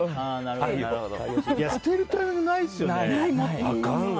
捨てるタイミングないですよね。